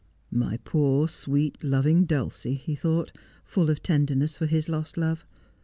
' My poor, sweet, loving Dulcie,' he thought, full of tenderness for his lost love.